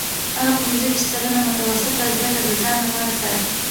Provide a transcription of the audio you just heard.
هغه پنځه ویشت سلنه متوسطه ګټه د ځان لپاره ساتي